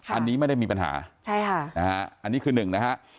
อันนี้ไม่ได้มีปัญหาใช่ค่ะนะฮะอันนี้คือหนึ่งนะฮะ